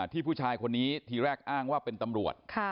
ผู้ชายคนนี้ทีแรกอ้างว่าเป็นตำรวจ